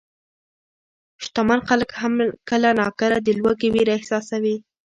شتمن خلک هم کله ناکله د لوږې وېره احساسوي.